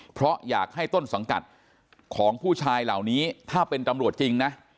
เพราะอยากให้ต้นสังกัดของผู้ชายเหล่านี้ถ้าเป็นตำรวจจริงนะ